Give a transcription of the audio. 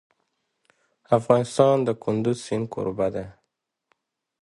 افغانستان د کندز سیند کوربه دی.